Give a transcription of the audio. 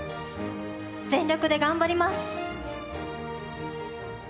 全力で頑張ります。